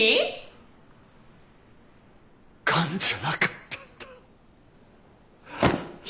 癌じゃなかったんだ。